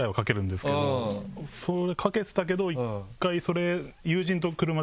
かけてたけど１回それ。